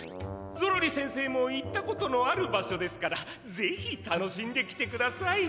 ゾロリ先生も行ったことのある場所ですからぜひ楽しんできてください！